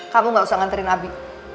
kamu gak usah nganterin abi